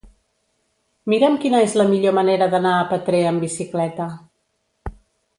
Mira'm quina és la millor manera d'anar a Petrer amb bicicleta.